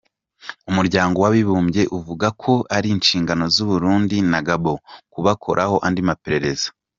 Umuryango w'abibumbye uvuga ko ari ishingano z'Uburundi na Gabon kubakoraho andi maperereza.